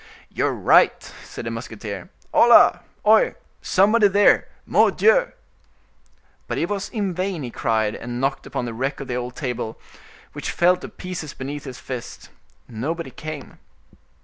"You are right," said the musketeer; "Hola! oh! somebody there! Mordioux!" But it was in vain he cried and knocked upon the wreck of the old table, which fell to pieces beneath his fist; nobody came.